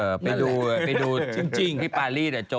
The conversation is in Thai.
เออไปดูเว่ยไปดูจริงพี่ปาลีเด้อ